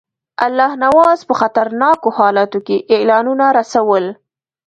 الله نواز په خطرناکو حالاتو کې اعلانونه رسول.